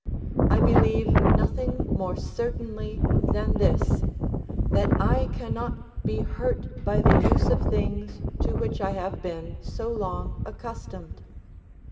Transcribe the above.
I believe nothing more certainly than this, that I cannot be hurt by the use of things to which I have been so long accustomed.